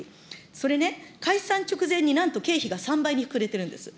それね、解散直前になんと経費が３倍に膨れてるんです。